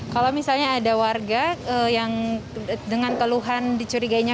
kalau misalnya ada warga yang dengan keluhan dicurigainya